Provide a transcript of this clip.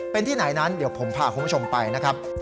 เป็นที่ไหนนั้นเดี๋ยวผมพาคุณผู้ชมไปนะครับ